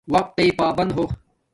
وقت تݵ پابند ہو